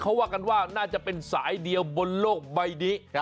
เขาว่ากันว่าน่าจะเป็นสายเดียวบนโลกใบนี้